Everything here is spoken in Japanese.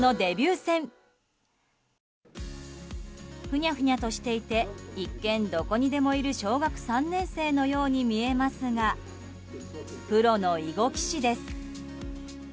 ふにゃふにゃとしていて一見どこにでもいる小学３年生のように見えますがプロの囲碁棋士です。